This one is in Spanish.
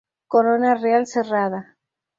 Corona real cerrada.